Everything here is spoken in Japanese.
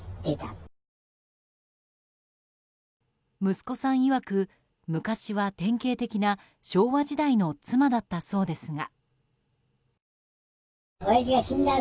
息子さんいわく昔は、典型的な昭和時代の妻だったそうですが。